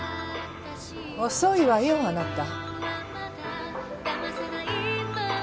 遅いわよあなた。